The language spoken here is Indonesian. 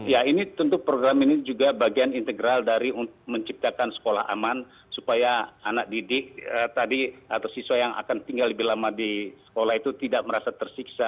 ya ini tentu program ini juga bagian integral dari menciptakan sekolah aman supaya anak didik tadi atau siswa yang akan tinggal lebih lama di sekolah itu tidak merasa tersiksa